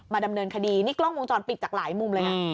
ดำเนินคดีนี่กล้องวงจรปิดจากหลายมุมเลยนะ